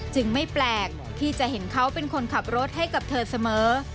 ไม่แปลกที่จะเห็นเขาเป็นคนขับรถให้กับเธอเสมอ